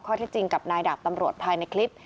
ที่จริงกับนายดาบตำรวจภายในคลิป